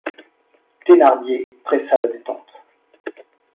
Thénardier pressa la détente.